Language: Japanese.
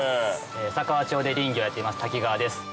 佐川町で林業をやっています滝川です。